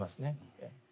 ええ。